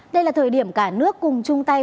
đây là thời điểm cả nước cùng chung tay